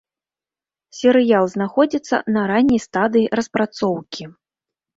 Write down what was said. Серыял знаходзіцца на ранняй стадыі распрацоўкі.